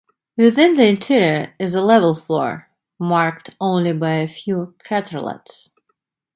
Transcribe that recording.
Within the interior is a level floor marked only by a few craterlets.